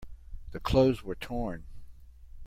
The clothes were torn.